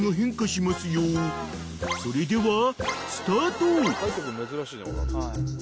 ［それではスタート］